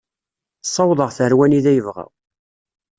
Ssawḍeɣ-t ar wanida yebɣa.